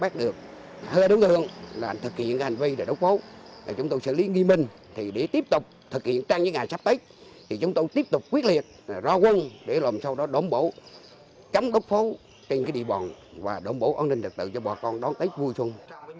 thưa đồng thường thực hiện hành vi đốt pháo chúng tôi xử lý nghi minh để tiếp tục thực hiện trang giới ngài sắp tết chúng tôi tiếp tục quyết liệt ro quân để lần sau đó đổng bộ cấm đốt pháo trên địa bàn và đổng bộ an ninh trật tự cho bọn con đón tết vui chung